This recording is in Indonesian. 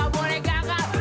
pokoknya demi elalah